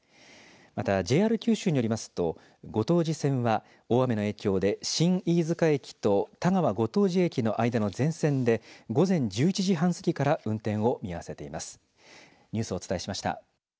またＪＲ九州によりますと後藤寺線は大雨の影響で新飯塚駅と田川後藤寺駅の間の全線で午前１１時半過ぎから運転を見合わせています。